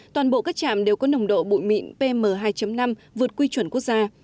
toàn bộ các trạm đều có nồng độ bụi mịn pm hai năm vượt quy chuẩn quốc gia